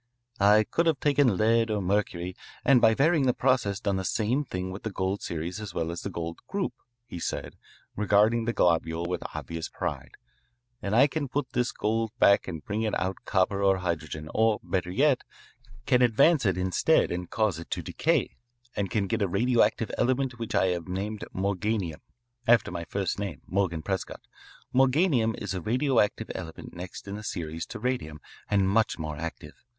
"I could have taken lead or mercury and by varying the process done the same thing with the gold series as well as the gold group," he said, regarding the globule with obvious pride. "And I can put this gold back and bring it out copper or hydrogen, or better yet, can advance it instead of cause it to decay, and can get a radioactive element which I have named morganium after my first name, Morgan Prescott. Morganium is a radioactive element next in the series to radium and much more active.